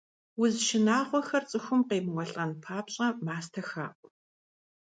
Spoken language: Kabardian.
Уз шынагъуэхэр цӀыхум къемыуэлӀэн папщӀэ, мастэ хаӏу.